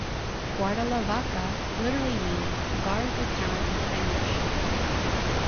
"Guardalavaca" literally means "guard the cow" in Spanish.